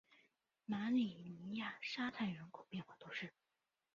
马里尼莱沙泰人口变化图示